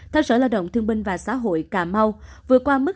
theo sở lao động thương binh và xã hội cà mau